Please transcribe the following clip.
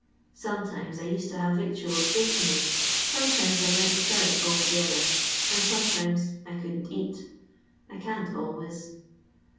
Sometimes I used to have victuals give to me, sometimes I went without altogether; and sometimes I couldn't eat I can't always.